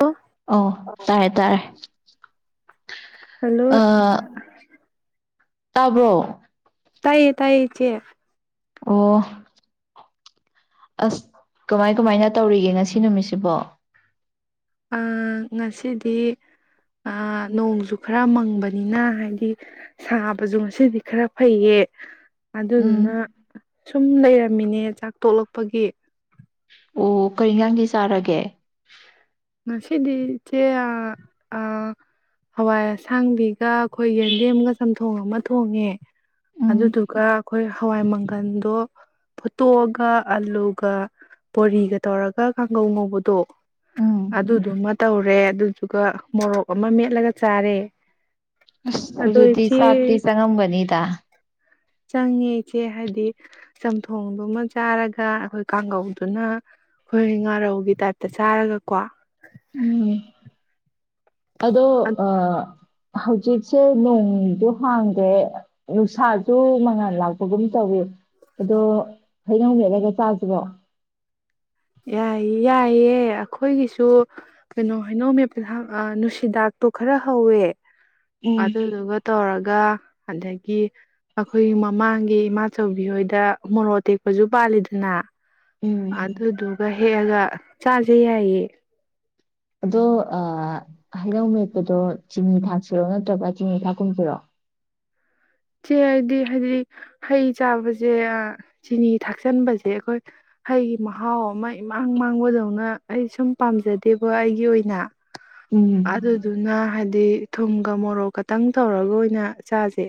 ꯑꯣ ꯑꯣ ꯇꯥꯔꯦ- ꯇꯥꯔꯦ꯫ ꯍꯜꯂꯣ! ꯑ ꯇꯥꯕ꯭ꯔꯣ? ꯇꯥꯏꯌꯦ - ꯇꯥꯏꯌꯦ ꯆꯦ꯫ ꯑꯣ ꯑꯁ ꯀꯃꯥꯏ - ꯀꯃꯥꯏꯅ ꯇꯧꯔꯤꯒꯦ ꯉꯁꯤ ꯅꯨꯃꯤꯠꯁꯤꯕꯣ? ꯑ ꯉꯁꯤꯗꯤ ꯅꯣꯡꯖ ꯈꯔ ꯃꯪꯕꯅꯤꯅ ꯍꯥꯏꯗꯤ ꯁꯥꯕꯁꯨ ꯉꯁꯤꯗꯤ ꯈꯔ ꯐꯩꯌꯦ ꯑꯗꯨꯗꯨꯅ ꯎꯝ ꯁꯨꯝ ꯂꯩꯔꯝꯃꯤꯅꯦ ꯆꯥꯛ ꯇꯣꯛꯂꯛꯄꯒꯤ꯫ ꯑꯣ ꯀꯔꯤꯖꯥꯡꯗꯤ ꯆꯥꯔꯒꯦ? ꯉꯁꯤꯗꯤ ꯏꯆꯦ ꯍꯋꯥꯏ ꯑꯁꯥꯡꯕꯤ ꯑꯩꯈꯣꯏ ꯌꯦꯟꯗꯦꯝꯒ ꯆꯝꯊꯣꯡ ꯑꯃ ꯊꯣꯡꯉꯦ ꯎꯝ ꯑꯗꯨꯗꯨꯒ ꯑꯩꯈꯣꯏ ꯍꯋꯥꯏ ꯃꯪꯒꯜꯗꯣ ꯐꯨꯠꯇꯣꯛꯑꯒ ꯑꯂꯨꯒ ꯕꯣꯔꯤꯒ ꯇꯧꯔꯒ ꯀꯥꯡꯒꯧ ꯉꯧꯕꯗꯣ ꯎꯝ ꯑꯗꯨꯗꯨꯃ ꯇꯧꯔꯦ ꯑꯗꯨꯗꯨꯒ ꯃꯣꯔꯣꯛ ꯑꯃ ꯃꯦꯠꯂꯒ ꯆꯥꯔꯦ꯫ ꯑꯁ ꯑꯗꯣ ꯑꯗꯨꯗꯤ ꯏꯆꯦ ꯆꯛꯇꯤ ꯆꯉꯝꯒꯅꯤ ꯗ ꯆꯪꯉꯦ ꯏꯆꯦ ꯍꯥꯏꯗꯤ ꯆꯝꯊꯣꯡꯗꯨꯃ ꯆꯥꯔꯒ ꯑꯩꯈꯣꯏ ꯀꯥꯡꯒꯧꯗꯨꯅ ꯑꯩꯈꯣꯏ ꯉꯥꯔꯧꯒꯤ ꯇꯥꯏꯞꯇ ꯆꯥꯔꯒꯀꯣ ꯎꯝ ꯑꯗꯣ ꯑ ꯍꯧꯖꯤꯛꯁꯦ ꯅꯣꯡꯗꯣ ꯍꯥꯡꯗ꯭ꯔꯦ ꯅꯨꯡꯁꯥꯁꯨ ꯃꯉꯥꯜ ꯂꯥꯛꯄꯒꯨꯝ ꯇꯧꯏ ꯑꯗꯣ ꯍꯩꯅꯧ ꯃꯦꯠꯂꯒ ꯆꯥꯁꯤꯔꯣ? ꯌꯥꯏ- ꯌꯥꯏꯌꯦ ꯑꯩꯈꯣꯏꯒꯤꯁꯨ ꯀꯩꯅꯣ ꯍꯥꯏꯩꯅꯧꯄ ꯅꯨꯡꯁꯤꯗꯥꯛꯇꯣ ꯈꯔ ꯍꯧꯋꯦ ꯎꯝ ꯑꯗꯨꯗꯨꯒ ꯇꯧꯔꯒ ꯑꯗꯒꯤ ꯑꯩꯈꯣꯏꯒꯤ ꯃꯃꯥꯡꯒꯤ ꯏꯃꯥꯆꯧꯕꯤ ꯍꯣꯏꯗ ꯃꯣꯔꯣꯛ ꯇꯦꯛꯄꯁꯨ ꯄꯥꯜꯂꯤꯗꯅ ꯎꯝ ꯑꯗꯗꯨꯒ ꯍꯦꯛꯑꯒ ꯆꯥꯥꯁꯦ ꯌꯥꯏꯌꯦꯦ ꯑꯗꯣ ꯍꯩꯅꯧ ꯃꯌꯦꯛꯄꯗꯣ ꯆꯤꯅꯤ ꯊꯥꯛꯁꯤꯔꯣ ꯅꯠꯇ꯭ꯔꯒ ꯆꯤꯅꯤ ꯊꯥꯛꯀꯨꯝꯁꯤꯔꯣ ꯁꯦ ꯍꯥꯏꯗꯤ ꯍꯥꯏꯗꯤ ꯍꯩ ꯆꯥꯕꯁꯦ ꯆꯤꯅꯤ ꯊꯥꯛꯆꯟꯕꯁꯦ ꯑꯩꯈꯣꯏ ꯍꯩꯒꯤ ꯃꯍꯥꯎ ꯑꯃ ꯏꯃꯥꯡ ꯃꯥꯡꯕꯗꯧꯅ ꯑꯩ ꯁꯨꯝ ꯄꯥꯝꯖꯗꯦꯕ ꯑꯩꯒꯤ ꯑꯣꯏꯅ ꯑꯗꯨꯗ ꯎꯝ ꯑꯗꯨ ꯅ ꯍꯥꯏ ꯍꯥꯏꯗꯤ ꯊꯨꯝꯒ ꯃꯣꯔꯣꯛ ꯈꯛꯇꯪ ꯇꯧꯔꯒ ꯑꯣꯏꯅ ꯆꯥꯁꯦ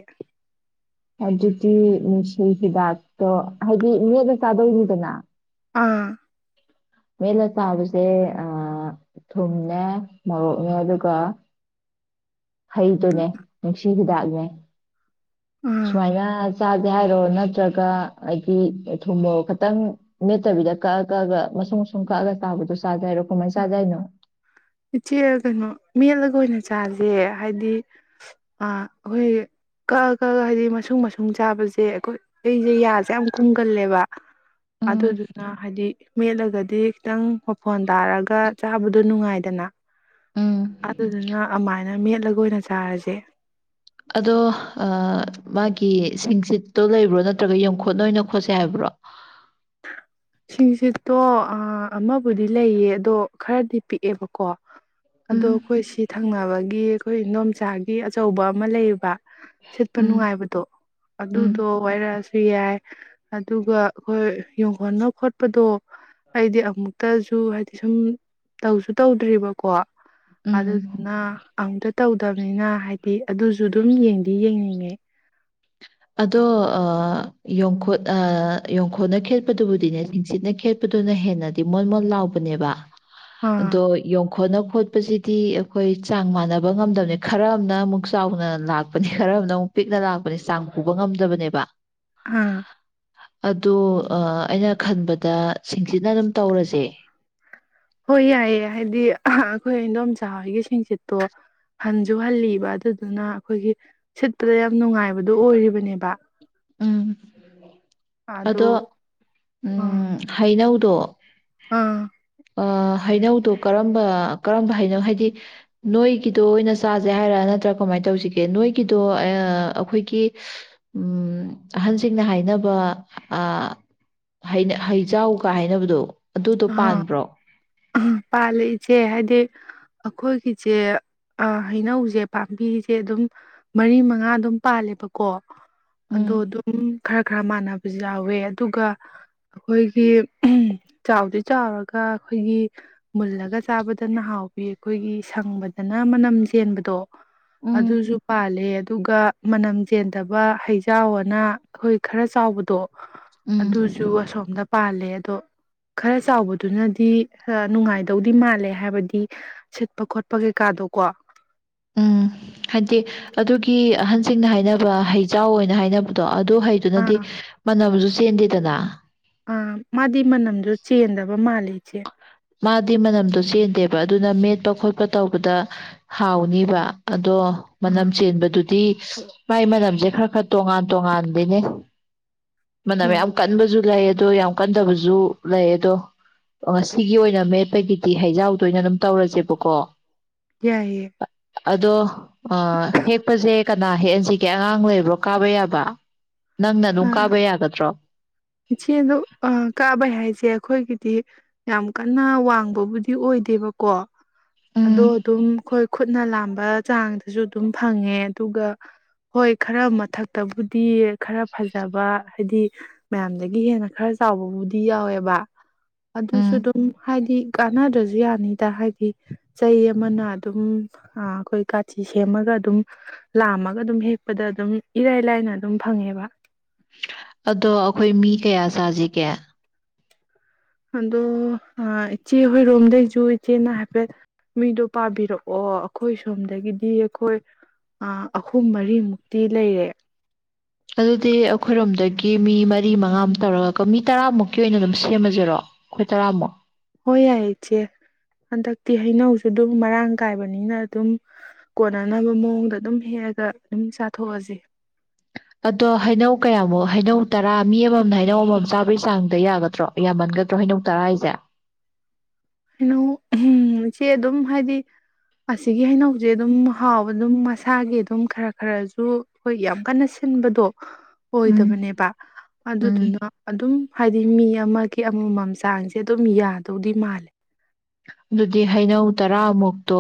ꯑꯗꯨꯗꯤ ꯅꯨꯡꯁꯤ ꯍꯤꯗꯥꯛꯇꯣ ꯍꯥꯏꯗꯤ ꯃꯦꯠꯅ ꯆꯥꯗꯣꯏꯅꯤꯗꯅ ꯑꯥ ꯃꯦꯂ ꯆꯥꯕꯁꯦ ꯊꯨꯝꯅꯦ ꯃꯣꯔꯣꯛꯅꯦ ꯑꯗꯨꯒ ꯍꯩꯗꯨꯅꯦ ꯁꯤꯗꯥꯛꯒ ꯑꯥ ꯁꯃꯥꯏꯒ ꯆꯥꯗꯦ ꯍꯥꯏꯔꯣ ꯅꯠꯇ꯭ꯔꯒ ꯍꯥꯏꯗꯤ ꯊꯨꯝꯃꯣ ꯈꯈꯤꯇꯪ ꯅꯦꯠꯇꯕꯤꯗ ꯀꯛꯑ ꯀꯛꯑꯒ ꯃꯁꯨꯡ ꯑꯁꯨꯝ ꯀꯛꯑꯒ ꯇꯥꯕꯗꯣ ꯆꯥꯗꯦ ꯍꯥꯏꯔꯣ ꯀꯃꯥꯏꯅ ꯆꯥꯖ ꯍꯥꯏꯅꯣ ꯏꯆꯦ ꯀꯩꯅꯣ ꯃꯦꯠꯂꯒ ꯑꯣꯏꯅ ꯆꯥꯁꯦ ꯍꯥꯏꯗꯤ ꯑꯩꯈꯣꯏ ꯀꯛꯑ ꯀꯛꯑ ꯍꯥꯏꯕꯗꯤ ꯃꯨꯡ ꯃꯁꯨꯡ ꯆꯥꯕꯁꯦ ꯑꯩꯈꯣꯏ ꯑꯩꯁꯦ ꯌꯥꯁꯦ ꯌꯥꯝ ꯀꯨꯝꯒꯜꯂꯦꯕ ꯎꯝ ꯑꯗꯨꯗꯨꯅ ꯍꯥꯏꯗꯤ ꯃꯦꯠꯂꯒ ꯗꯤ ꯈꯤꯇꯪ ꯋꯥꯐꯣꯟ ꯇꯥꯔꯒ ꯆꯥꯕꯗꯨꯣ ꯅꯨꯡꯉꯥꯏ [unintelligible] ꯎꯝ ꯑꯗꯨꯗꯨꯅ ꯑꯗꯨꯥꯏꯅ ꯃꯦꯠꯂꯒ ꯑꯣꯏꯅ ꯆꯥꯔꯁꯦ ꯑꯗꯣ ꯃꯥꯒꯤ ꯁꯤꯡꯆꯤꯠꯇꯣ ꯂꯩꯕ꯭ꯔꯣ ꯅꯠꯇ꯭ꯔꯒ ꯌꯡꯈꯣꯠ ꯅ ꯑꯣꯏꯅ ꯈꯣꯠꯁꯦ ꯍꯥꯏꯕ꯭ꯔꯣ ꯁꯤꯡꯁꯤꯠꯇꯣ ꯑꯃꯕꯨꯗꯤ ꯂꯩꯌꯦ ꯑꯗꯣ ꯈꯔꯗꯤ ꯄꯤꯛꯑꯦꯕꯀꯣ ꯑꯗꯣ ꯎꯝ ꯑꯩꯈꯣꯏ ꯁꯤ ꯊꯪꯅꯕꯒꯤ ꯑꯩꯈꯣꯏ ꯏꯗꯣꯝꯆꯥꯒꯤ ꯑꯆꯧꯕ ꯑꯃ ꯂꯩꯌꯦꯕ ꯁꯤꯠꯄ ꯎꯝ ꯅꯨꯡꯉꯥꯏꯕꯗꯣ ꯎꯝ ꯑꯗꯨꯗꯣ ꯋꯥꯏꯔꯛꯑꯁꯨ ꯌꯥꯏ ꯑꯗꯨꯒ ꯑꯩꯈꯣꯏ ꯌꯣꯟꯈꯣꯠꯅ ꯈꯣꯠꯄꯗꯣ ꯑꯩꯗꯤ ꯑꯃꯨꯛꯇꯁꯨ ꯍꯥꯏꯗꯤ ꯁꯨꯝ ꯇꯧꯁꯨ ꯇꯧꯗ꯭ꯔꯤꯕꯔꯤꯕꯀꯣ ꯎꯝ ꯑꯗꯨꯗꯨꯅ ꯑꯝꯇꯥ ꯇꯧꯗꯕ [unintelligible] ꯍꯥꯏꯗꯤ ꯑꯗꯨꯁꯨ ꯑꯗꯨꯝ ꯌꯦꯡꯗꯤ ꯌꯦꯡꯅꯤꯡꯉꯦ ꯑꯗꯣ ꯌꯣꯡꯈꯣꯠ ꯌꯣꯡꯈꯨꯠꯅ ꯈꯦꯠꯄꯗꯨꯕꯨꯗꯤꯅꯦ ꯁꯤꯡꯁꯤꯠꯅ ꯈꯦꯠꯄꯗꯨꯅ ꯍꯦꯟꯅꯗꯤ ꯃꯣꯣꯟ ꯃꯣꯟ ꯂꯥꯎꯕꯅꯦꯕ ꯑꯥ ꯑꯗꯣ ꯌꯣꯡꯈꯣꯠꯅ ꯈꯣꯠ ꯆꯠꯄꯁꯤꯗꯤ ꯑꯩꯈꯣꯏ ꯆꯥꯡ ꯃꯥꯟꯅꯕ ꯉꯝꯗꯕꯅꯤ ꯈꯔ ꯑꯃꯅ ꯑꯃꯨꯛ ꯆꯥꯎꯅ ꯂꯥꯛꯄꯅꯤ ꯈꯔ ꯑꯃꯅ ꯑꯃꯨꯛ ꯄꯤꯛꯅ ꯂꯥꯛꯄꯅꯤ ꯆꯥꯡ ꯄꯨꯕ ꯉꯝꯗꯕꯅꯦꯕ ꯑꯥ ꯑꯗꯣ ꯑꯩꯅ ꯈꯟꯕꯗ ꯁꯤꯡꯁꯤꯅ ꯑꯗꯨꯝ ꯇꯧꯔꯁꯦ ꯍꯣꯏ ꯌꯥꯏꯌꯦ ꯍꯥꯏꯗꯤ ꯑꯩꯈꯣꯏ ꯑꯗꯣꯝꯆꯥ ꯍꯣꯏꯒꯤ ꯁꯤꯡꯆꯠꯇꯣ ꯍꯟꯁꯨ ꯍꯜꯂꯤꯕ ꯑꯗꯨꯗꯨꯅ ꯑꯩꯈꯣꯏꯒꯤ ꯁꯤꯠꯄꯗ ꯌꯥꯝ ꯅꯨꯡꯉꯥꯏꯕꯗꯨꯣ ꯑꯣꯏꯔꯤꯕꯅꯦꯕ ꯎꯝ ꯑꯗꯣ ꯑꯥ ꯎꯝ ꯍꯩꯅꯧ ꯇꯣ ꯑꯥ [unintelligible] ꯍꯩꯅꯧꯗꯣ ꯀꯔꯝꯕ ꯀꯔꯝꯕ ꯍꯩꯅꯧ ꯍꯥꯏꯗꯤ ꯅꯣꯏꯒꯤꯗꯣ ꯑꯣꯏꯅ ꯆꯥꯁꯦ ꯍꯥꯏꯔ ꯅꯠꯇ꯭ꯔꯥ ꯀꯃꯥꯏꯅ ꯇꯧꯁꯤꯒꯦ ꯅꯣꯏꯒꯤꯗꯣ ꯑꯩꯈꯣꯏꯒꯤ ꯑꯍꯟꯁꯤꯡꯅ ꯍꯥꯏꯅꯕ ꯍꯩꯖꯥꯎꯒ ꯍꯥꯏꯅꯕꯗꯣ ꯑꯗꯨꯗꯣ ꯑ ꯄꯥꯟꯕ꯭ꯔꯣ ꯄꯥ ꯂꯩꯁꯦ ꯍꯥꯏꯗꯤ ꯁ ꯑꯩꯈꯣꯏꯒꯤꯁꯦ ꯍꯩꯅꯧꯁꯦ ꯄꯥꯝꯕꯤꯁꯦ ꯑꯗꯨꯝ ꯃꯔꯤ ꯃꯉꯥ ꯑꯗꯨꯝ ꯄꯥꯜꯂꯦꯕꯀꯣ ꯑꯗꯣ ꯎꯝ ꯑꯗꯨꯝ ꯈꯔ ꯈꯔ ꯃꯥꯟꯅꯕꯁꯨ ꯌꯥꯎꯋꯦ ꯑꯗꯨꯒ ꯑꯩꯈꯣꯏꯒꯤ ꯆꯥꯎꯗꯤ ꯆꯥꯎꯔꯒ ꯑꯩꯈꯣꯏꯒꯤ ꯃꯨꯜꯂꯒ ꯆꯥꯕꯗꯅ ꯍꯥꯎꯕꯤ ꯑꯩꯈꯣꯏꯒꯤ ꯁꯪꯕꯗꯅ ꯃꯅꯝ ꯆꯦꯟꯕꯗꯣ ꯎꯝ ꯑꯗꯨꯁꯨ ꯄꯥꯂꯦ ꯑꯗꯨꯒ ꯃꯅꯝ ꯆꯦꯟꯗꯕ ꯍꯩꯖꯥꯎ ꯑꯅ ꯑꯩꯈꯣꯏ ꯈꯔ ꯆꯥꯎꯕꯗꯣ ꯎꯝ ꯑꯗꯨꯁꯨ ꯑꯁꯣꯝꯗ ꯄꯥꯜꯂꯦ ꯇꯣ ꯈꯔ ꯆꯥꯎꯕꯗꯨꯅꯗꯤ ꯅꯨꯡꯉꯥꯏꯗꯧꯗꯤ ꯃꯥꯜꯂꯦ ꯍꯥꯏꯕꯗꯤ ꯁꯤꯠꯄ ꯈꯣꯠꯄ ꯀꯩꯀꯥꯗꯣꯀꯣ ꯎꯝ ꯍꯥꯏꯗꯤ ꯑꯗꯨꯒꯤ ꯑꯟ ꯁꯤꯡꯅ ꯍꯥꯏꯅꯕ ꯍꯩꯖꯥꯎ ꯑꯣꯏꯅ ꯍꯥꯏꯅꯕꯗꯣ ꯑꯗꯨ ꯑꯗꯨ ꯍꯩꯗꯨꯅꯗꯤ ꯑꯥ ꯃꯥꯟꯅꯕꯁꯨ ꯆꯗꯤꯗꯅ ꯑ ꯃꯥꯗꯤ ꯃꯅꯝꯗꯨ ꯆꯦꯟꯗꯕ ꯃꯥꯜꯜꯂꯤꯦ ꯏꯆꯦ ꯃꯥꯗꯤ ꯃꯅꯝꯗꯣ ꯆꯦꯟꯗꯦꯕ ꯑꯗꯨꯅ ꯃꯦꯠꯄ ꯈꯣꯠꯄ ꯇꯧꯕꯗ ꯍꯥꯎꯅꯤꯕ ꯑꯗꯣ ꯃꯅꯝ ꯑꯥ ꯆꯦꯟꯕꯗꯨ ꯗꯤ ꯃꯥꯏ ꯃꯅꯝꯁꯦ ꯈꯔ ꯈꯔ ꯇꯣꯉꯥꯟ ꯇꯣꯉꯥꯟꯗꯅꯦ ꯃꯅꯝ ꯌꯥ ꯍꯣꯏ ꯌꯥꯝ ꯀꯟꯕꯖꯨꯂ ꯑꯗꯣ ꯌꯥꯝ ꯀꯟꯊꯕꯁꯨ ꯂꯩ ꯑꯗꯣ ꯉꯁꯤ ꯁꯤꯒꯤ ꯑꯣꯏꯅ ꯃꯦꯠꯄꯒꯤꯗꯤ ꯍꯩꯖꯥꯎꯗꯣꯏ ꯑꯣꯏꯅ ꯑꯗꯨꯝ ꯇꯧꯔꯁꯦꯕꯀꯣ ꯌꯥꯏ ꯌꯩ ꯑꯗꯣ ꯍꯦꯛꯄꯁꯦ ꯀꯅꯥ ꯍꯦꯛꯍꯟꯁꯤꯒꯦ ꯑꯉꯥꯡ ꯂꯩꯕ꯭ꯔꯣ ꯀꯥꯕ ꯌꯥꯕ ꯅꯪꯅ ꯑꯗꯨꯝ ꯑꯥ ꯀꯥꯕ ꯌꯥꯒꯗ꯭ꯔꯣ ꯏꯆꯦꯗꯣ ꯀꯥꯕ ꯍꯥꯏꯁꯦ ꯑꯩꯈꯣꯏꯒꯤꯗꯤ ꯌꯥꯝ ꯀꯟꯅ ꯋꯥꯡꯕꯕꯨꯗꯤ ꯑꯣꯏꯗꯦꯕꯀꯣ ꯑꯗꯣ ꯎꯝ ꯑꯗꯨꯝ ꯑꯩꯈꯣꯏ ꯈꯨꯠꯅ ꯂꯥꯝꯕ ꯆꯥꯡꯗꯁꯨ ꯑꯗꯨꯝ ꯐꯪꯉꯦ ꯑꯗꯨꯒ ꯍꯣꯏ ꯈꯔ ꯃꯊꯛꯇꯕꯨꯗꯤ ꯈꯔ ꯐꯖꯕ ꯍꯥꯏꯗꯤ ꯃꯌꯥꯝꯗꯒꯤ ꯍꯦꯟꯅ ꯈꯔ ꯆꯥꯎꯕꯕꯨꯗꯤ ꯌꯥꯎꯋꯦꯕ ꯑꯗꯨꯁꯨ ꯎꯝ ꯑꯗꯨꯝ ꯍꯥꯏꯗꯤ ꯀꯥꯟꯅꯗ꯭ꯔꯁꯨ ꯌꯥꯅꯤꯗ ꯍꯥꯏꯗꯤ ꯆꯩ ꯑꯃꯅ ꯑꯗꯨꯝ ꯑꯩꯈꯣꯏ ꯀꯥꯇꯤ ꯁꯦꯝꯃꯒ ꯑꯗꯨꯝ ꯂꯥꯝꯃꯒ ꯑꯗꯨꯝ ꯍꯦꯛꯄꯗ ꯑꯗꯨꯝ ꯏꯔꯥꯏ ꯂꯥꯏꯅ ꯑꯗꯨꯝ ꯐꯪꯉꯦꯕ ꯑꯗꯣ ꯑꯩꯈꯣꯏ ꯃꯤ ꯀꯌꯥ ꯁꯥꯁꯤꯒꯦ ꯑꯗꯣ ꯏꯆꯦ ꯍꯣꯏꯔꯣꯝꯗꯒꯤꯩꯁꯨ ꯏꯆꯦꯅ ꯍꯥꯏꯐꯦꯠ ꯃꯤꯗꯣ ꯄꯥꯕꯤꯔꯛꯑꯣ ꯑꯩꯈꯣꯏ ꯁꯣꯝꯗꯒꯤꯗꯤ ꯑꯩꯈꯣꯏ ꯑꯍꯨꯝ ꯃꯔꯤꯃꯨꯛꯇꯤ ꯂꯩꯔꯦ ꯑꯗꯨꯗꯤ ꯑꯩꯈꯣꯏꯔꯣꯝꯗꯒꯤ ꯃꯤ ꯃꯔꯤ ꯃꯉꯥꯝ ꯇꯧꯔꯒꯣ ꯃꯤ ꯇꯔꯥꯃꯨꯛꯀꯤ ꯑꯣꯏꯅ ꯑꯗꯨꯝ ꯁꯦꯝꯃꯖꯔꯣ ꯑꯩꯈꯣꯏ ꯇꯔꯥꯃꯨꯛ ꯍꯣꯏ ꯌꯥꯏ ꯏꯆꯦ ꯍꯟꯗꯛꯇꯤ ꯍꯩꯅꯧꯁꯨ ꯑꯗꯨꯝ ꯃꯔꯥꯡ ꯀꯥꯏꯕꯅꯤꯅ ꯑꯗꯨꯝ ꯀꯣꯟꯅꯅꯕ ꯃꯑꯣꯡꯗ ꯑꯗꯨꯝ ꯍꯦꯛꯑꯒ ꯑꯗꯨꯝ ꯆꯥꯊꯣꯛꯑꯁ ꯑꯗꯣ ꯍꯩꯅꯧ ꯀꯌꯥꯃꯨꯛ ꯍꯩꯅꯧ ꯇꯔꯥ ꯃꯤ ꯑꯃꯃꯝꯅ ꯍꯩꯅꯧ ꯑꯃꯃꯝ ꯆꯥꯕꯒꯤ ꯆꯥꯡꯗ ꯌꯥꯒꯗ꯭ꯔꯣ ꯌꯥꯝꯃꯟꯒꯗ꯭ꯔꯣ ꯍꯩꯅꯧ ꯇꯔꯥ ꯍꯥꯏꯁꯦ ꯍꯩꯅꯧ ꯆꯦ ꯑꯗꯨꯝ ꯍꯥꯏꯗꯤ ꯑꯁꯤꯒꯤ ꯍꯩꯅꯧꯁꯦ ꯑꯗꯨꯝ ꯍꯥꯎꯕ ꯑꯗꯨꯝ ꯃꯁꯥꯒꯤ ꯑꯗꯨꯝ ꯈꯔ ꯈꯔꯁꯨ ꯑꯩꯈꯣꯏ ꯌꯥꯝ ꯀꯟꯅ ꯁꯤꯟꯕꯗꯣ ꯎꯝ ꯑꯣꯏꯗꯕꯅꯦꯕ ꯎꯝ ꯑꯗꯨꯗꯨꯅ ꯑꯗꯨꯝ ꯍꯥꯏꯗꯤ ꯃꯤ ꯑꯃꯒꯤ ꯑꯃꯃꯝ ꯆꯥꯡꯁꯦ ꯑꯗꯨꯝ ꯌꯥꯗꯧꯗꯤ ꯃꯥꯜꯂꯦ ꯑꯗꯨꯗꯤ ꯍꯩꯅꯧ ꯇꯔꯥꯃꯨꯛꯇꯣ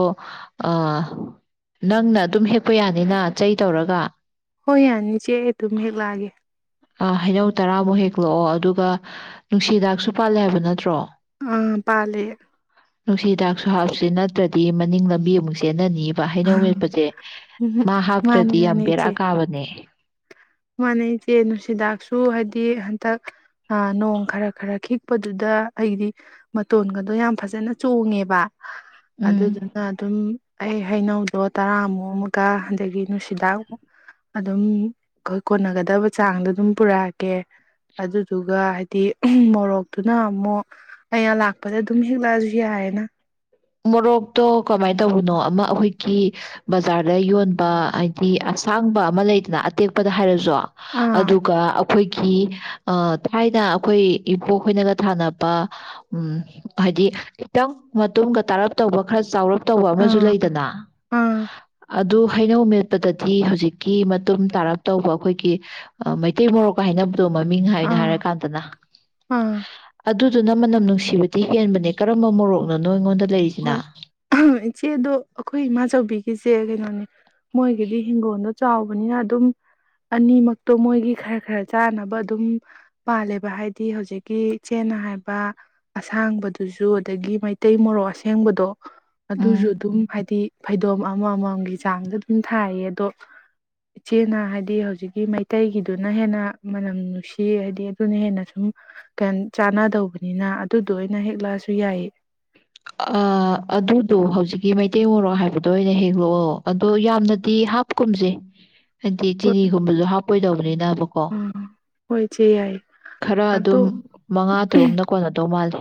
ꯅꯪꯅ ꯑꯗꯨꯝ ꯍꯦꯛꯄ ꯌꯥꯅꯤꯅ ꯆꯩ ꯇꯧꯔꯒ ꯍꯣꯏ ꯌꯥꯅꯤ ꯏ ꯆꯦ ꯑꯩ ꯑꯗꯨꯝ ꯍꯦꯛ ꯂꯥꯛꯑꯒꯦ ꯍꯩꯅꯧ ꯇꯔꯥꯃꯨꯛ ꯍꯦꯛꯂꯛꯑꯣ ꯑꯗꯨꯒ ꯅꯨꯡꯁꯤꯗꯥꯛꯁꯨ ꯄꯥꯜꯂꯦ ꯍꯥꯏꯕ ꯅꯠꯇ꯭ꯔꯣ ꯑꯥ ꯄꯥꯂꯦ ꯅꯨꯡꯁꯤꯗꯥꯛꯁꯨ ꯍꯥꯞꯁ ꯅꯠꯇ꯭ꯔꯗꯤ ꯃꯅꯤꯡ ꯂꯝꯕꯤ ꯑꯃꯨꯛ ꯆꯦꯟꯅꯅꯤ ꯍꯩꯅꯧ ꯑꯥ ꯌꯦꯠꯄꯁꯦ ꯃꯥ ꯃꯥꯅꯦ ꯍꯥꯞꯇ꯭ꯔꯗꯤ ꯌꯥꯝ ꯕꯦꯔꯥ ꯀꯥꯕꯅꯦ ꯃꯥꯅꯩ ꯏꯆꯦ ꯅꯨꯡꯁꯤꯗꯥꯛꯁꯨ ꯍꯥꯏꯗꯤ ꯍꯟꯇꯛ ꯅꯣꯡ ꯈꯔ ꯈꯔ ꯈꯤꯛꯄꯗꯨꯗ ꯑꯩꯗꯤ ꯃꯇꯣꯟꯒꯗꯣ ꯌꯥꯝ ꯐꯖꯅ ꯆꯣꯡꯉꯦꯕ ꯎꯝ ꯑꯗꯨꯗꯨꯅ ꯑꯗꯨ ꯑꯗꯨꯝ ꯑꯩ ꯍꯩꯅꯧꯗꯣ ꯇꯔꯥꯃꯨꯛ ꯑꯃꯒ ꯑꯗꯒꯤ ꯅꯨꯡꯁꯤꯗꯥꯛ ꯑꯗꯨꯝ ꯑꯩꯈꯣꯏ ꯀꯣꯟꯅꯒꯗꯕ ꯆꯥꯡꯗꯣ ꯑꯗꯨꯝ ꯄꯨꯔꯛꯀꯦ ꯑꯗꯨꯗꯨꯒ ꯍꯥꯏꯗꯤ ꯃꯣꯔꯣꯛꯇꯨꯅ ꯑꯃꯨꯛ ꯑꯩꯅ ꯂꯥꯛꯄꯗ ꯑꯗꯨꯝ ꯍꯦꯛꯂꯛꯑꯁꯨ ꯌꯥꯏꯑꯌꯦꯅ ꯃꯣꯔꯣꯛꯇꯣ ꯀꯃꯥꯏꯅ ꯇꯧꯕꯅꯣ ꯑꯃ ꯑꯩꯈꯣꯏꯒꯤ ꯕꯖꯥꯔꯗ ꯌꯣꯟꯕ ꯍꯥꯏꯗꯤ ꯑꯁꯥꯡꯕ ꯑꯃ ꯂꯩꯗꯅ ꯑꯇꯦꯛꯄꯗ ꯍꯥꯏꯔꯁꯨ ꯑꯥ ꯑꯗꯨꯒ ꯑꯩꯈꯣꯏ ꯊꯥꯏꯅ ꯑꯩꯈꯣꯏ ꯏꯕꯣꯛ ꯈꯣꯏꯅꯒ ꯊꯥꯅꯕ ꯍꯥꯏꯗꯤ ꯈꯤꯇꯪ ꯇꯝꯒ ꯇꯥꯔꯞ ꯇꯧꯕ ꯈꯔ ꯆꯥꯎꯔꯞ ꯇꯧꯕ ꯑꯃꯁꯨ ꯑꯥ ꯂꯩꯗꯅ ꯑꯥ ꯑꯗꯨ ꯍꯩꯅꯧ ꯃꯦꯠꯄꯗꯗꯤ ꯍꯧꯖꯤꯛꯀꯤ ꯃꯇꯨꯡ ꯇꯥꯔꯞ ꯇꯧꯕ ꯑꯩꯈꯣꯏꯒꯤ ꯃꯩꯇꯩ ꯃꯣꯔꯣꯛ ꯀ ꯍꯥꯏꯅ ꯃꯃꯤꯡ ꯍꯥꯏꯅ ꯑꯥ ꯍꯥꯏꯔꯀꯥꯟꯗꯅ ꯑꯥ ꯑꯗꯨ ꯑꯗꯨꯅ ꯃꯅꯝ ꯅꯨꯡꯁꯤꯕꯗꯤ ꯍꯦꯟꯕꯅꯦ ꯀꯔꯝꯕ ꯃꯣꯔꯣꯛꯅꯣ ꯉꯣꯟ ꯍꯣꯏ ꯏꯆꯦꯗꯣ ꯑꯩꯈꯣꯏ ꯏꯃꯥꯆꯕꯤꯒꯤꯁꯦ ꯀꯩꯅꯣꯅꯦ ꯃꯣꯏꯒꯤꯗꯤ ꯍꯤꯡꯒꯣꯜꯗꯣ ꯆꯥꯎꯕꯅꯤꯅ ꯑꯗꯨꯝ ꯑꯅꯤꯃꯛꯇꯣ ꯃꯣꯏꯒꯤ ꯈꯔ ꯈꯔ ꯆꯥꯅꯕ ꯑꯗꯨꯝ ꯄꯥꯜꯂꯦꯕ ꯍꯥꯏꯗꯤ ꯍꯧꯖꯤꯛꯀꯤ ꯏꯆꯦꯅ ꯍꯥꯏꯕ ꯑꯁꯥꯡꯕꯗꯨꯁꯨ ꯑꯗꯒꯤ ꯃꯩꯇꯩ ꯃꯣꯔꯣꯛ ꯍꯦꯡꯕꯗꯣ ꯑꯗꯨꯁꯨ ꯎꯝ ꯑꯗꯨꯝ ꯍꯥꯏꯗꯤ ꯐꯩꯗꯣꯝ ꯑꯃꯃꯝꯒꯤ ꯆꯥꯡꯗ ꯑꯗꯨꯝ ꯊꯥꯏꯌꯦ ꯑꯗꯣ ꯏꯆꯦꯅ ꯍꯥꯏꯗꯤ ꯍꯧꯖꯤꯛꯀꯤ ꯃꯩꯇꯩꯒꯤꯗꯨꯅ ꯍꯦꯟꯅ ꯃꯅꯝ ꯅꯨꯡꯁꯤ ꯍꯥꯏꯗꯤ ꯑꯗꯨꯅ ꯍꯦꯟꯅ ꯁꯨꯝ ꯆꯥꯟꯅꯗꯧꯕꯅꯤꯅ ꯑꯗꯨꯗꯣ ꯑꯣꯏꯅ ꯍꯦꯛꯂꯛꯑꯁꯨ ꯌꯥꯏ ꯑꯗꯨꯗꯣ ꯍꯧꯖꯤꯛꯀꯤ ꯃꯩꯇꯩ ꯃꯣꯔꯣꯛ ꯍꯥꯏꯕꯗꯣ ꯑꯣꯏꯅ ꯍꯦꯛꯂꯛꯑꯣ ꯑꯗꯣ ꯌꯥꯝꯅꯗꯤ ꯍꯥꯞꯀꯨꯝꯁꯦ ꯍꯥꯏꯗꯤ ꯆꯤꯅꯤꯒꯨꯝꯕꯗ ꯍꯥꯞꯄ ꯀꯣꯏꯗꯧꯕꯅꯤꯗ ꯣ ꯎꯝ ꯍꯣꯏ ꯏꯆꯦ ꯌꯥꯏꯌꯦ ꯈꯔ ꯑꯗꯨꯝ ꯑꯗꯣ ꯃꯉꯥ ꯇꯔꯨꯛꯅ ꯀꯣꯟꯅꯣ ꯇꯧ ꯃꯥꯜꯂꯦ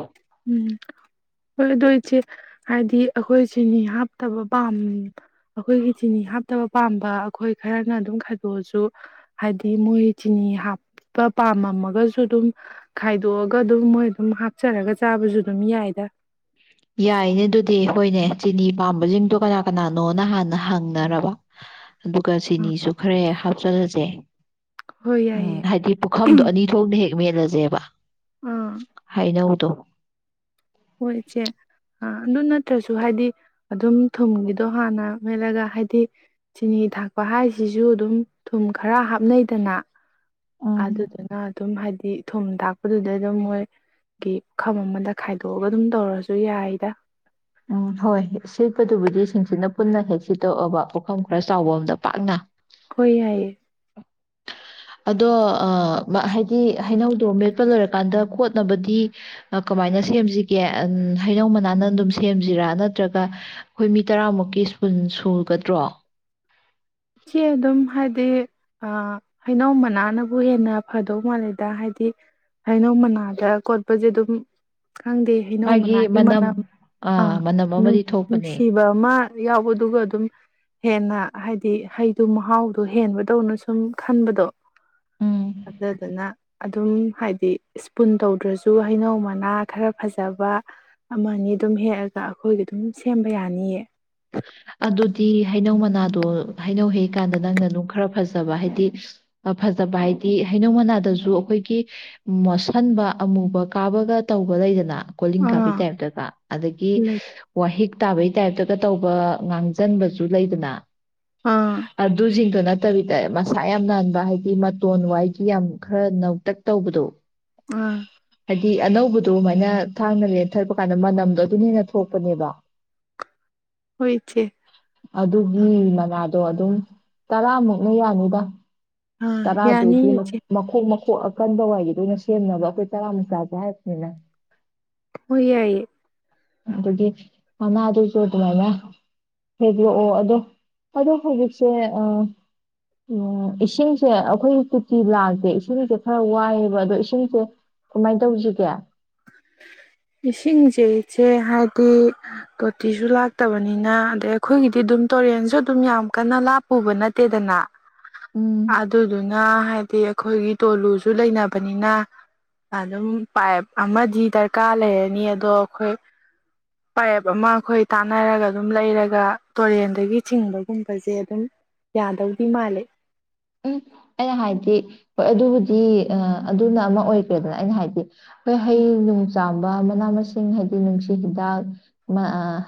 ꯎꯝ ꯍꯣꯏ ꯑꯗꯨꯣ ꯏꯆꯦ ꯍꯥꯏꯗꯤ ꯑꯩꯈꯣꯏ ꯆꯤꯅꯤ ꯍꯥꯞꯇꯕ ꯄꯥꯝ ꯑꯩꯈꯣꯏꯒꯤ ꯆꯤꯅꯤ ꯍꯥꯞꯇꯕ ꯄꯥꯝꯕ ꯑꯩꯈꯣꯏ ꯈꯔꯅ ꯑꯗꯨꯝ ꯈꯥꯏꯗꯣꯛꯑꯁꯨ ꯍꯥꯏꯗꯤ ꯃꯣꯏ ꯆꯤꯅꯤ ꯍꯥꯞꯄ ꯄꯥꯝꯃꯝꯃꯒꯁꯨ ꯑꯗꯨꯝ ꯈꯥꯏꯗꯣꯛꯑꯒ ꯑꯗꯨꯝ ꯃꯣꯏ ꯑꯗꯨꯝ ꯍꯥꯞꯆꯔꯒ ꯆꯥꯕꯁꯨ ꯑꯗꯨꯝ ꯌꯥꯏꯗ ꯌꯥꯏꯅꯦ ꯑꯗꯨꯗꯤ ꯍꯣꯏꯅꯦ ꯆꯤꯅꯤ ꯄꯥꯝꯕꯁꯤꯡꯗꯣ ꯀꯅꯥ ꯀꯅꯥꯅꯣꯅ ꯍꯥꯟꯅ ꯍꯪꯅꯔꯕ ꯑꯗꯨꯒ ꯎꯝ ꯁꯤꯅꯤꯁꯨ ꯈꯔꯦ ꯆꯂꯁꯦ ꯍꯣꯏ ꯎꯝ ꯌꯥꯏꯌꯦ ꯍꯥꯏꯗꯤ ꯄꯨꯈꯝꯗꯣ ꯑꯅꯤ ꯊꯣꯛꯅ ꯍꯦꯛ ꯃꯂꯁꯦꯕ ꯍꯥꯏ ꯅꯎꯗ ꯍꯣꯏꯁꯦ ꯑ ꯑꯗꯨ ꯅꯠꯇ꯭ꯔꯁꯨ ꯍꯥꯏꯗꯤ ꯑꯗꯨꯝ ꯊꯨꯝꯒꯤꯗꯣ ꯍꯥꯟꯅ ꯃꯦꯠꯂꯒ ꯍꯥꯏꯗꯤ ꯆꯤꯅꯤ ꯊꯥꯛꯄ ꯍꯥꯏꯁꯤꯁꯨ ꯑꯗꯨꯝ ꯊꯨꯝ ꯈꯔ ꯍꯥꯞꯅꯩꯗꯅ ꯎꯝ ꯑꯗꯨꯗꯨꯅ ꯑꯗꯨꯝ ꯍꯥꯏꯗꯤ ꯊꯨꯝ ꯊꯥꯛꯄꯗꯨꯗꯩ ꯑꯗꯨꯝ ꯃꯣꯏꯒꯤ ꯎꯈꯝ ꯑꯃꯗ ꯈꯥꯏ ꯣꯛꯑꯒ ꯑꯗꯨꯝ ꯇꯧꯔꯁꯨ ꯌꯥꯏꯗ ꯎꯝ ꯍꯣꯏ ꯁꯤꯠꯄꯗꯨꯕꯨꯗꯤ ꯁꯤꯡꯁꯤꯅ ꯄꯨꯟꯅ ꯍꯦꯛ ꯁꯤꯠꯇꯣꯛꯑꯕ ꯄꯣꯐꯝ ꯈꯔ ꯆꯥꯎꯕ ꯑꯝꯗ ꯄꯥꯛꯅ ꯍ ꯌꯥꯏꯌꯦꯦ ꯑꯗꯣ ꯍꯥꯏꯗꯤ ꯍꯩꯅꯧꯗꯣ ꯃꯦꯠꯄ ꯂꯣꯏꯔꯀꯥꯟꯗ ꯀꯣꯠꯅꯕꯗꯤ ꯀꯃꯥꯏꯅ ꯁꯦꯝꯁꯤꯒꯦ ꯍꯩꯅꯧ ꯃꯅꯥꯅ ꯑꯗꯨꯝ ꯁꯦꯝꯁꯤꯔꯥ ꯅꯠꯇ꯭ꯔꯒ ꯑꯩꯈꯣꯏ ꯃꯤ ꯇꯔꯥꯃꯨꯛꯀꯤ ꯁꯄꯨꯟ ꯁꯨꯒꯗ꯭ꯔꯣ ꯎꯆꯆꯦ ꯑꯗꯨꯝ ꯍꯥꯏꯗꯤ ꯑ ꯍꯩꯅꯧ ꯃꯅꯥꯅꯕꯨ ꯍꯦꯟꯅ ꯐꯗꯧ ꯃꯥꯜꯂꯦꯗ ꯍꯥꯏꯗꯤ ꯍꯩꯅꯧ ꯃꯅꯥꯗ ꯀꯣꯠꯄꯁꯦ ꯑꯗꯨꯝ ꯈꯪꯗꯦ ꯍꯩꯅꯧ ꯃꯅꯥꯒꯤ ꯃꯅꯝ ꯑ ꯑꯥ ꯃꯅꯝ ꯑꯃꯗꯤ ꯊꯣꯛꯄꯅꯦ ꯅꯨꯡꯁꯤꯕ ꯑꯃ ꯌꯥꯎꯕꯗꯨ ꯑꯗꯨꯝ ꯍꯦꯟꯅ ꯍꯥꯏꯗꯤ ꯍꯩꯗꯨ ꯃꯍꯥꯎꯗꯣ ꯍꯦꯟꯕꯗꯧꯅ ꯁꯨꯝ ꯈꯟꯕꯗꯣ ꯎꯝ ꯑꯗ ꯑꯗꯨꯅ ꯑꯗꯨꯝ ꯍꯥꯏꯗꯤ ꯏꯁꯄꯨꯟ ꯇꯧꯗ꯭ꯔꯁꯨ ꯍꯩꯅꯧ ꯃꯅꯥ ꯈꯔ ꯐꯖꯕ ꯑꯃꯅꯤ ꯑꯗꯨꯝ ꯍꯦꯛꯑꯒ ꯑꯩꯈꯣꯏꯒꯤ ꯑꯗꯨꯝ ꯁꯦꯝꯕ ꯌꯥꯅꯤꯑ ꯑꯗꯨꯗꯤ ꯍꯩꯅꯧ ꯃꯅꯥꯗꯣ ꯍꯩꯅꯧ ꯍꯦꯛꯀꯥꯟꯗ ꯅꯪꯅ ꯑꯗꯨꯪ ꯈꯔ ꯐꯖꯕ ꯍꯥꯏꯗꯤ ꯐꯖꯕ ꯍꯥꯏꯗꯤ ꯍꯩꯅꯧ ꯃꯅꯥꯗꯁꯨ ꯑꯩꯈꯣꯏꯒꯤ ꯃꯣꯠꯁꯟꯕ ꯑꯃꯨꯕ ꯀꯥꯕꯒ ꯇꯧꯕ ꯂꯩꯗꯅ ꯀꯣꯂꯤꯡ ꯀꯥꯕꯤ ꯑꯥ ꯇꯥꯏꯞꯇꯒ ꯑꯗꯒꯤ ꯂꯩ ꯋꯥꯍꯤꯛ ꯇꯥꯕꯩ ꯇ ꯍꯥꯏ ꯇꯧꯕ ꯉꯥꯡꯁꯤꯟꯕꯁꯨ ꯂꯩꯗꯅ ꯑꯥ ꯑ ꯑꯗꯨꯖꯤ ꯀ ꯅ ꯐꯠꯇꯕꯤꯗ ꯃꯁꯥ ꯌꯥꯝ ꯅꯥꯟꯕ ꯍꯥꯏꯗꯤ ꯃꯇꯣꯟ ꯋꯥꯏꯒꯤ ꯌꯥꯝ ꯈꯔ ꯅꯧꯇꯛ ꯇꯧꯕꯗꯣ ꯑꯥ ꯍꯥꯏꯗꯤ ꯑꯅꯧꯕ ꯑꯗꯨꯃꯥꯏꯅ ꯊꯥꯡꯅ ꯂꯩꯅ ꯊꯠꯄ ꯀꯥꯟꯗ ꯃꯅꯝꯗꯣ ꯑꯗꯨꯅ ꯍꯦꯟꯅ ꯊꯣꯛꯄꯅꯦꯕ ꯍꯣꯏ ꯏꯆꯦ ꯑꯗꯨꯒꯤ ꯃꯅꯥ ꯑꯗꯣ ꯑꯗꯨꯝ ꯇꯔꯥꯃꯨꯛꯅ ꯌꯥꯅꯤꯗ ꯑꯥ ꯌꯥꯅꯤ ꯇꯔꯥꯗꯨꯒꯤ ꯏꯆꯦ ꯃꯈꯣꯡ ꯃꯈ ꯑꯀꯟꯕ ꯋꯥꯏꯒꯤꯗꯨ ꯑꯣꯏꯅ ꯁꯦꯝꯅꯕ ꯑꯩꯈꯣꯏ ꯇꯔꯥ ꯃꯆꯥꯥꯁꯦ ꯍꯥꯏꯔꯕꯅꯤꯅ ꯍꯣꯏ ꯌꯥꯏꯌꯦ ꯑꯗꯨꯗꯒꯤ ꯃꯅ ꯑꯗꯨ ꯁꯣ ꯑꯗꯨꯃꯥꯏꯅ ꯍꯦꯗꯂꯛꯑꯣ ꯑꯗꯣ ꯑꯗꯣ ꯍꯧꯖꯤꯛꯁꯦ ꯎ ꯏꯁꯤꯡꯁꯦ ꯑꯩꯈꯣꯏ ꯀꯨꯇꯤ ꯂꯥꯛꯇꯦ ꯏꯁꯤꯡꯁꯦ ꯈꯔ ꯋꯥꯏꯑꯦꯕ ꯑꯗꯣ ꯏꯁꯤꯡꯁꯦ ꯀꯃꯥꯏꯅ ꯇꯧꯁꯤꯒꯦ ꯏꯁꯤꯡꯁꯦꯁꯦ ꯍꯥꯏꯗꯤ ꯇꯣꯇꯤꯁꯨ ꯂꯥꯛꯇꯕꯅꯤꯅ ꯑꯗꯩ ꯑꯩꯈꯣꯏꯒꯤꯗꯤ ꯑꯗꯨꯝ ꯇꯨꯔꯦꯟꯁꯨ ꯑꯗꯨꯝ ꯌꯥꯝ ꯀꯟꯅ ꯂꯥꯞꯄꯨꯕ ꯅꯠꯇꯦꯗꯅ ꯎꯝ ꯑꯗꯨꯗꯨꯅ ꯍꯥꯏ ꯍꯥꯏꯗꯤ ꯑꯩꯈꯣꯏꯒꯤ ꯇꯣꯂꯨꯁꯨ ꯂꯩꯅꯕꯅꯤꯅ ꯑꯗꯨꯝ ꯄꯥꯏꯞ ꯑꯃꯗꯤ ꯗꯔꯀꯥꯔ ꯂꯩꯔꯅꯤ ꯑꯗꯣ ꯑꯩꯈꯣꯏ ꯄꯥꯏꯞ ꯑꯃ ꯑꯩꯈꯣꯏ ꯇꯥꯟꯅꯔꯒ ꯑꯗꯨꯝ ꯂꯩꯔꯒ ꯇꯨꯔꯦꯟꯗꯒꯤ ꯆꯤꯡꯕꯒꯨꯝꯕꯁꯦ ꯑꯗꯨꯝ ꯌꯥꯗꯧꯗꯤ ꯃꯥꯜꯂꯤꯦ ꯎꯝ ꯑꯩꯅ ꯍꯥꯏꯗꯤ ꯍꯣꯏ ꯑꯗꯨꯕꯨꯗꯤ ꯑꯗꯨꯅ ꯑꯃ ꯑꯣꯏꯈ꯭ꯔꯦꯗꯅ ꯑꯩꯅ ꯍꯥꯏꯗꯤ ꯍꯩꯅꯨꯡ ꯆꯥꯝꯕ ꯃꯅꯥ ꯃꯁꯤꯡ ꯍꯥꯏꯗꯤ ꯅꯨꯡꯁꯤꯠ ꯍꯤꯗꯥꯛ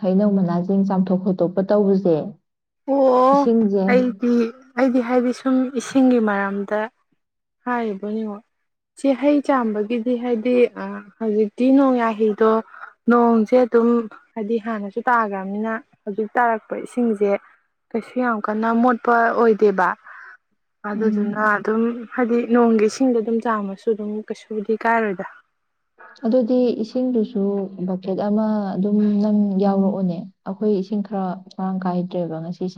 ꯍꯩꯅꯧ ꯃꯅꯥꯁꯤꯡ ꯆꯥꯝꯊꯣꯛ ꯈꯣꯠꯇꯣꯛꯄ ꯇꯧꯕꯁꯦ ꯑꯣ ꯏꯁꯤꯡꯁꯦ ꯑꯩꯗꯤ ꯑꯩꯗꯤ ꯍꯥꯏꯗꯤ ꯁꯨꯝ ꯏꯁꯤꯡꯒꯤ ꯃꯔꯝꯗ ꯍꯥꯏꯔꯤꯕ ꯉꯣ ꯁꯤ ꯍꯩ ꯆꯥꯝꯕꯒꯤꯗꯤ ꯍꯥꯏꯗꯤ ꯍꯧꯖꯤꯛꯇꯤ ꯅꯣꯡ ꯌꯥꯍꯩꯗꯣ ꯅꯣꯡꯁꯦ ꯑꯗꯨꯝ ꯍꯥꯏꯗꯤ ꯍꯥꯟꯅꯁꯨ ꯇꯥꯈ꯭ꯔꯕꯅꯤꯅ ꯍꯧꯖꯤꯛ ꯇꯥꯔꯛꯄ ꯏꯁꯤꯡꯁꯦ ꯀꯩꯁꯨ ꯌꯥꯝ ꯀꯟꯅ ꯃꯣꯠꯄ ꯑꯣꯏꯗꯦꯕ ꯎꯝ ꯑꯗꯨꯗꯨꯅ ꯑꯗꯨꯝ ꯍꯥꯏꯗꯤ ꯅꯣꯡꯒꯤ ꯏꯁꯤꯡꯗ ꯑꯗꯨꯝ ꯆꯥꯝꯃꯁꯨ ꯑꯗꯨꯝ ꯀꯩꯁꯨꯕꯨꯗꯤ ꯀꯥꯏꯔꯣꯏꯗ ꯑꯗꯨꯗꯤ ꯏꯁꯤꯡꯗꯨꯁꯨ ꯕꯛꯀꯦꯠ ꯑꯃ ꯑꯗꯨꯝ ꯅꯪ ꯌꯥꯎꯔꯛꯑꯣꯅꯦ ꯑꯩꯈꯣꯏ ꯏꯁꯤꯡ ꯈꯔ ꯃꯔꯥꯡ ꯀꯥꯏꯗ꯭ꯔꯦꯕ ꯉꯁꯤꯁꯦ